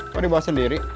kok dibahas sendiri